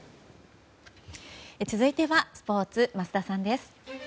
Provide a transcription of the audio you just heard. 続いてはスポーツ桝田さんです。